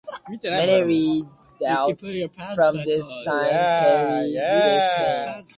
Many redoubts from this time carry this name.